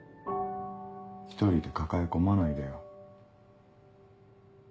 一人で抱え込まないでよ。